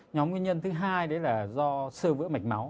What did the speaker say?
nhóm nguyên nhân thứ hai đấy là do sơ vỡ mạch máu